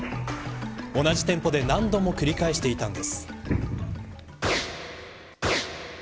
同じ店舗で何度も繰り返していたんです。